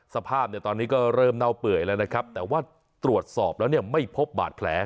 สภาพเนี่ยตอนนี้ก็เริ่มเน่าเปื่อยแล้วนะครับแต่ว่าตรวจสอบแล้วเนี่ยไม่พบบาดแผล